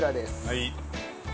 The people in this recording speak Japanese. はい。